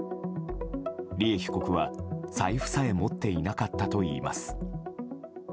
利恵被告は財布さえ持っていなかったといいます。